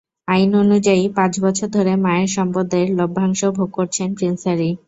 আইন অনুযায়ী, পাঁচ বছর ধরে মায়ের সম্পদের লভ্যাংশ ভোগ করছেন প্রিন্স হ্যারি।